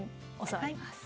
教わります。